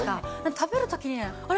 食べる時に「あれ？